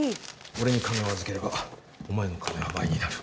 俺に金を預ければお前の金は倍になる。